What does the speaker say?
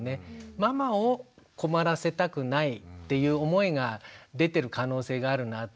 ママを困らせたくないっていう思いが出てる可能性があるなって。